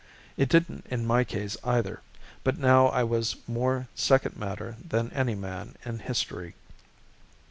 It didn't in my case either. But now I was more second matter than any man in history.